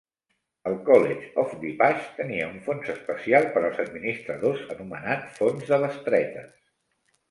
El College of DuPage tenia un fons especial per als administradors anomenat fons de bestretes.